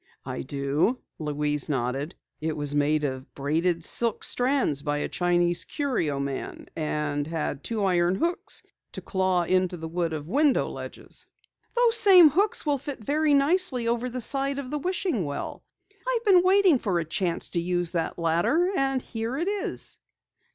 "I do," Louise nodded. "It was made of braided silk strands by a Chinese curio man, and had two iron hooks to claw into the wood of window ledges." "Those same hooks will fit very nicely over the side of the wishing well. I've been waiting for a chance to use that ladder, and here it is!"